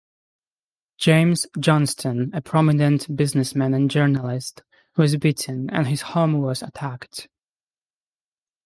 James Johnston, a prominent businessman and journalist, was beaten and his home was attacked.